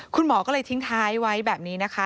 คุณหมอก็เลยทิ้งท้ายไว้แบบนี้นะคะ